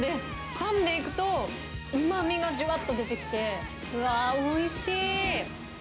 かんでいくと、うまみがじゅわっと出てきて、うわー、おいしい。